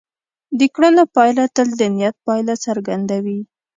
د کړنو پایله تل د نیت پایله څرګندوي.